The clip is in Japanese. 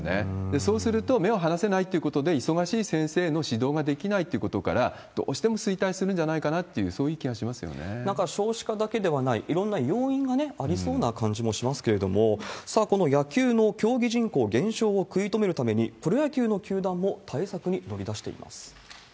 そうすると目を離せないということで忙しい先生の指導ができないということから、どうしても衰退するんじゃないかなっていう、そなんか、少子化だけではないいろんな要因がありそうな感じもしますけれども、さあ、この野球の競技人口減少を食い止めるために、プロ野球の球団も対策に乗り出しています。